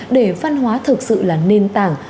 để văn hóa thực sự là nền tảng